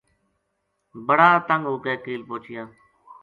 بڑا تنگ ہو کے کیل پوہچیا